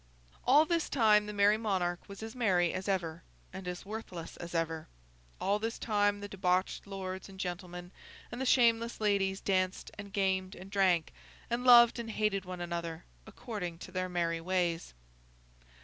All this time, the Merry Monarch was as merry as ever, and as worthless as ever. All this time, the debauched lords and gentlemen and the shameless ladies danced and gamed and drank, and loved and hated one another, according to their merry ways.